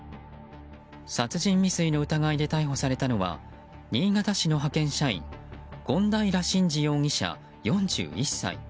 殺人未遂の疑いで逮捕されたのは新潟市の派遣社員権平慎次容疑者、４１歳。